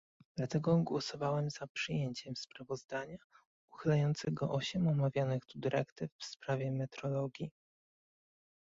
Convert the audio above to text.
Dlatego głosowałem za przyjęciem sprawozdania uchylającego osiem omawianych tu dyrektyw w sprawie metrologii